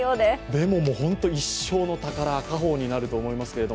でも、本当に一生の宝家宝になると思いますけど。